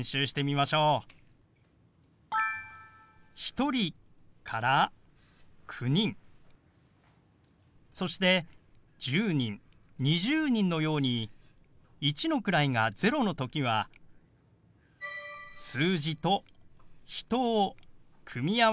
「１人９人」そして「１０人」「２０人」のように１の位が０の時は数字と「人」を組み合わせて表します。